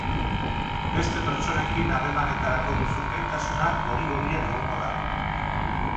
Beste pertsonekin harremanetarako duzun gaitasuna gori-gorian egongo da.